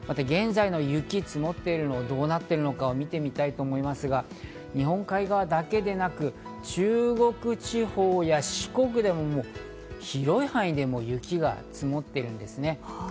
現在の雪、積もっているのがどうなっているのか見てみたいと思いますが、日本海側だけでなく、中国地方や四国でも広い範囲で雪が積もっているんですね。